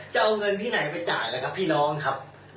จะเอาเงินที่ไหนไปจ่ายแล้วครับพี่น้องครับ